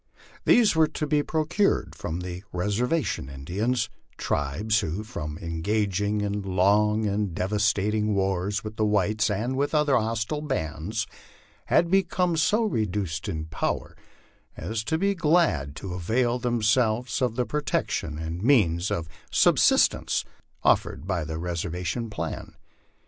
These were to be procured from the " reservation Indians," tribes who, from engaging in long and devastating wars with the whites and with other hostile bands, had become so reduced in power as to be glad to avail themselves of the protection and means of subsistence offered by the re servation plan.